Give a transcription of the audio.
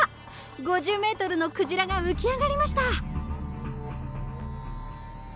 ５０ｍのクジラが浮き上がりました。